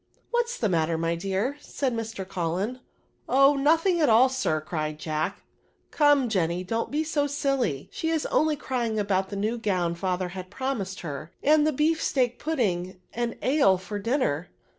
" What's the matter, my dear," said Mr. Cullen. *^ Oh ! nothing at all, sir," cried Jack ;" come, Jenny, don't be so silly ; she is only crying about the new gown father had pro mised her, and the bee&teak pudding and ale for dinner."